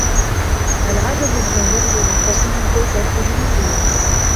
الْعَجَبُ لِمَنْ يَرْجُو مَنْ فَوْقَهُ كَيْفَ يَحْرِمُ مَنْ دُونَهُ